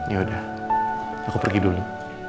yaudah aku pergi dulu